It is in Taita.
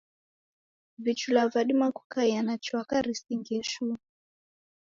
Vichula vadima kukaia na chwaka risingie shuu.